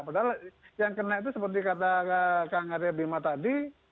padahal yang kena itu seperti kata kang arya bima tadi